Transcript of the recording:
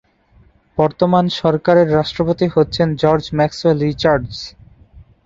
বর্তমান সরকারের রাষ্ট্রপতি হচ্ছে জর্জ ম্যাক্সওয়েল রিচার্ডস।